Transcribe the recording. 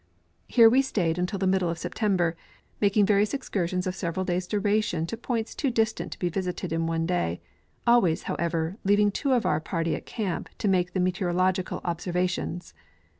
Here we stayed until the middle of SejDtember, making various excursions of several days' duration to points too distant to be visited in one day, always, however, leaving two of our party at camp to make the meteorologic observations.